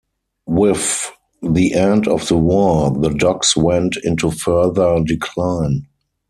With the end of the war the docks went into further decline.